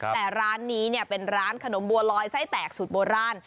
แต่ร้านนี้เป็นร้านขนมบัวลอยไส้แตกสูตรโบราณ